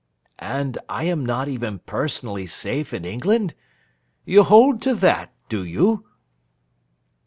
'And I am not even personally safe in England? You hold to that, do you?